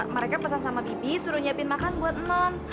mereka pesan sama bibi suruh nyiapin makan buat non